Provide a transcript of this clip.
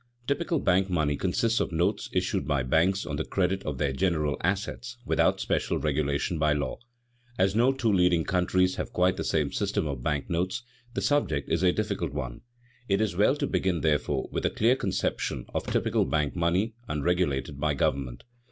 _Typical bank money consists of notes issued by banks on the credit of their general assets, without special regulation by law._ As no two leading countries have quite the same system of bank notes, the subject is a difficult one. It is well to begin, therefore, with a clear conception of typical bank money, unregulated by government.